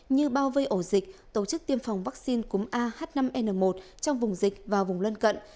như bao vây ổ dịch tổ chức tiêm phòng vaccine cúm ah năm n một trong vùng dịch và vùng lân cận